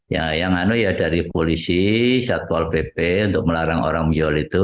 yang lainnya dari polisi satpol bp untuk melarang orang mual itu